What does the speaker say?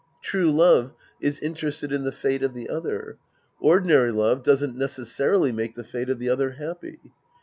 True love is interested in the fate of the other. Ordinary love doesn't necessarily make the fate of the other happy.